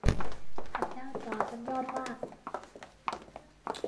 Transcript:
พระเจ้าจอร์จมันยอดมาก